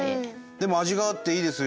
でも味があっていいですよ